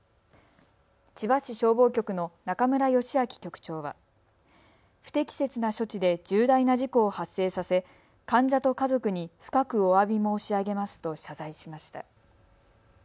千葉市消防局の中村由明局長は不適切な処置で重大な事故を発生させ患者と家族に深くおわび申し上げますと謝罪しました。